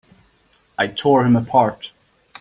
I tore him apart!